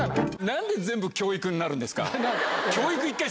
何で教育になるんですか？